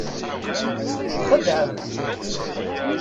Txedɛem.